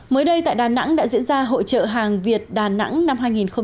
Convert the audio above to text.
mới đây tại đà nẵng đã diễn ra hội trợ hàng việt đà nẵng năm hai nghìn hai mươi